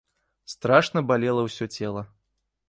Страшна балела ўсё цела.